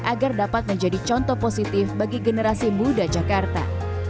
agar dapat menjadi contoh positif bagi generasi muda jakarta